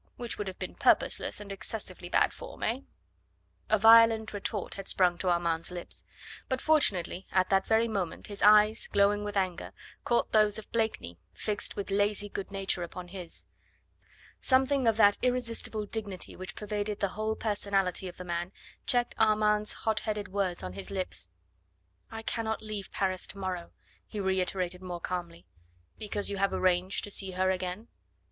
Which would have been purposeless and excessively bad form. Eh?" A violent retort had sprung to Armand's lips. But fortunately at that very moment his eyes, glowing with anger, caught those of Blakeney fixed with lazy good nature upon his. Something of that irresistible dignity which pervaded the whole personality of the man checked Armand's hotheaded words on his lips. "I cannot leave Paris to morrow," he reiterated more calmly. "Because you have arranged to see her again?"